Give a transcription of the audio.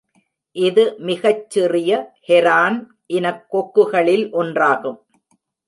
இது மிகச்சிறிய ஹெரான் இன கொக்குகளில் ஒன்றாகும்.